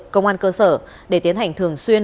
công an cơ sở để tiến hành thường xuyên